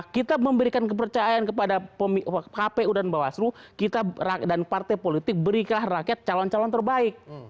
kita memberikan kepercayaan kepada kpu dan bawaslu kita dan partai politik berikah rakyat calon calon terbaik